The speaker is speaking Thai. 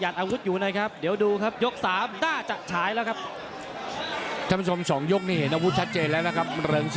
ต้องแซ่บูและตอนนี้ต้องเปลี่ยนเกม